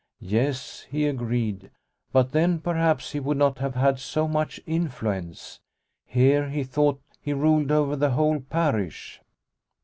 Yes, he agreed, but then perhaps he would not have had so much influence. Here he thought he ruled over the whole parish.